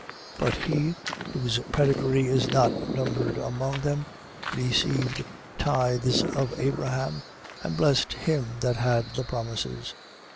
7:6. But he, whose pedigree is not numbered among them, received tithes of Abraham and blessed him that had the promises.